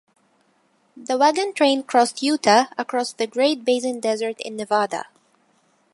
The wagon train crossed Utah across the Great Basin Desert in Nevada.